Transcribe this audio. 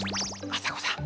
あさこさん。